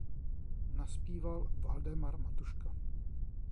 Nazpíval Waldemar Matuška.